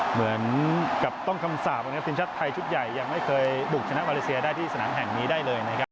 เหมือนกับต้องคำสาปนะครับทีมชาติไทยชุดใหญ่ยังไม่เคยบุกชนะมาเลเซียได้ที่สนามแห่งนี้ได้เลยนะครับ